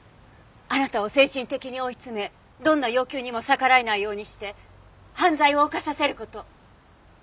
あなたを精神的に追い詰めどんな要求にも逆らえないようにして犯罪を犯させる事。